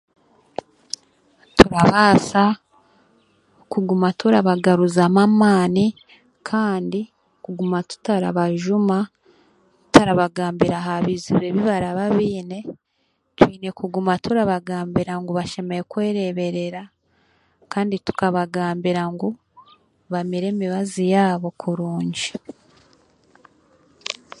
Turabaasa kuguma turabagaruzamu amaani kandi kuguma tutarabajuuma, tutarabagambira aha bizibu ebi baraba beine, twine kuguma turabagambira ngu bashemereire kwereeberera kandi tukabagambira ngu bamire emibazi yaabo kurungi.